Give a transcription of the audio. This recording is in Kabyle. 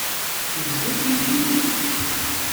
Tegziḍ-iyi-d?